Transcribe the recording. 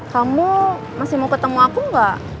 kamu masih mau ketemu aku gak